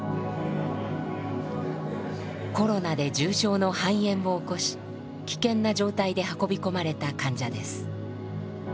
コロナで重症の肺炎を起こし危険な状態で運び込まれた患者です。